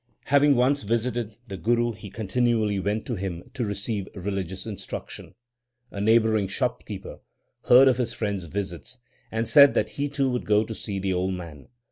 LIFE OF GURU NANAK 69 once visited the Guru he continually went to him to receive religious instruction. A neighbouring shopkeeper heard of his friend s visits, and said that he too would go to see the holy man.